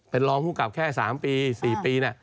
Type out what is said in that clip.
เป็นรองภูมิกับแค่๓ปี๔ปี